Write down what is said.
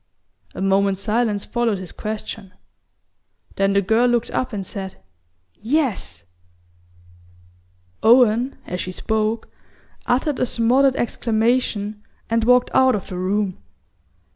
A moment's silence followed his question; then the girl looked up and said: "Yes!" Owen, as she spoke, uttered a smothered exclamation and walked out of the room.